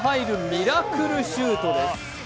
ミラクルシュートです。